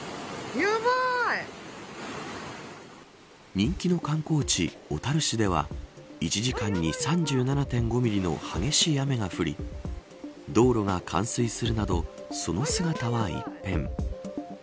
人気の観光地、小樽市では１時間に３７．５ミリの激しい雨が降り道路が冠水するなどその姿は一変。